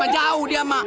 jauh diam mak